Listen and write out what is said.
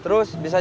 terus bisa jatuh